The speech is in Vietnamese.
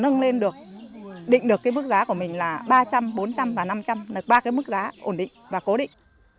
nên được định được cái mức giá của mình là ba trăm linh bốn trăm linh và năm trăm linh là ba cái mức giá ổn định và cố định